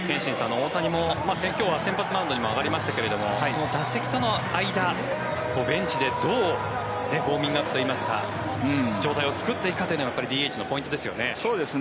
大谷も今日は先発マウンドに上がりましたけれども打席との間ベンチで、どうウォーミングアップといいますか状態を作っていくかというのがＤＨのポイントですよね。